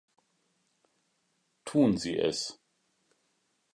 Tun Sie es!